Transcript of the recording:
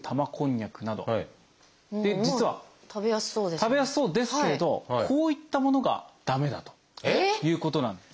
食べやすそうですけどこういったものが駄目だということなんです。